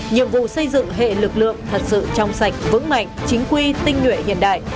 nhiệm vụ xây dựng hệ lực lượng thật sự trong sạch vững mạnh chính quy tinh nguyện hiện đại